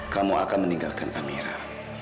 kamu akan meninggalkan amira